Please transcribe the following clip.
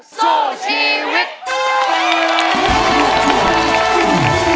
โซ่ชีวิต